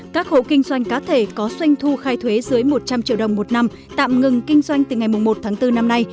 các hộ kinh doanh cá thể có xoanh thu khai thuế dưới một trăm linh triệu đồng một năm tạm ngừng kinh doanh từ ngày một tháng bốn năm nay